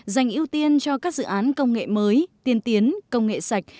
dành ưu tiên cho các dự án công nghệ mới tiên tiến công nghệ sạch